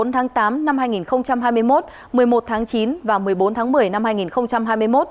một mươi tháng tám năm hai nghìn hai mươi một một mươi một tháng chín và một mươi bốn tháng một mươi năm hai nghìn hai mươi một